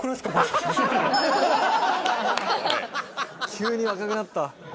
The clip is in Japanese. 急に若くなった。